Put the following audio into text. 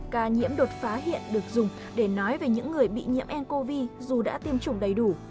ca nhiễm đột phá hiện được dùng để nói về những người bị nhiễm ncov dù đã tiêm chủng đầy đủ